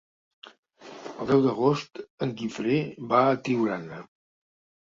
El deu d'agost en Guifré va a Tiurana.